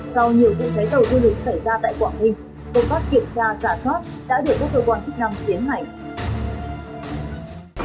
sau nhiều vụ cháy tàu du lịch xảy ra tại quảng ninh công tác kiểm tra giả soát đã được các cơ quan chức năng tiến hành